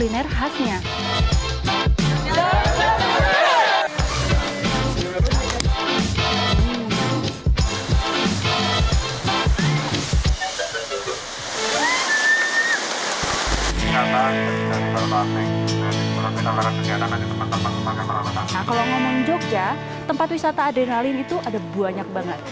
nah kalau ngomong jogja tempat wisata adrenalin itu ada banyak banget